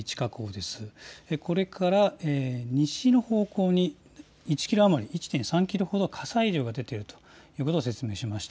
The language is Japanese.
ここから西の方向に１．３キロほど、火砕流が出ているということを説明しました。